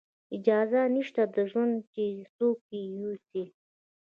اجازت نشته د ژوند چې څوک یې یوسي